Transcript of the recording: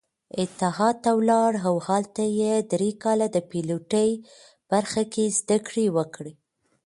اتحاد ته ولاړ او هلته يې درې کاله د پيلوټۍ برخه کې زدکړې وکړې.